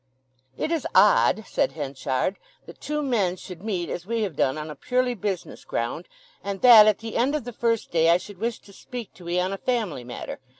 "It is odd," said Henchard, "that two men should meet as we have done on a purely business ground, and that at the end of the first day I should wish to speak to 'ee on a family matter.